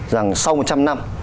rằng sau một trăm linh năm